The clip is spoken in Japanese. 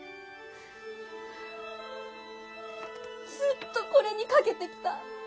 ずっとこれにかけてきた。